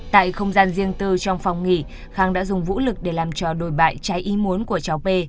tại không gian riêng tư trong phòng nghỉ khang đã dùng vũ lực để làm trò đồi bại cháy ý muốn của cháu p